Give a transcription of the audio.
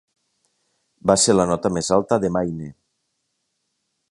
Va ser la nota més alta de Mayne.